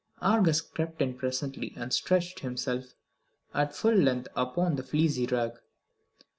Argus crept in presently, and stretched himself at full length upon the fleecy rug.